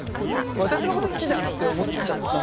私のこと好きじゃんって思っちゃったね。